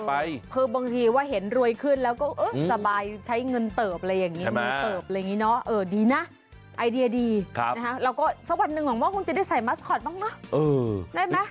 ไอเดียดีนะฮะแล้วก็สักวันหนึ่งหลังว่าคงจะได้ใส่มัสคอตบ้างเนอะได้ไหมเออ